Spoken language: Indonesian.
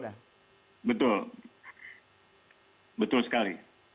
betul betul betul sekali